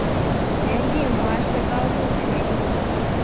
袁敬华是高中学历。